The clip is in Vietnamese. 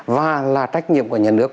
và là trách nhiệm của nhà nước